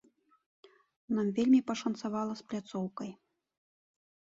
Нам вельмі пашанцавала з пляцоўкай.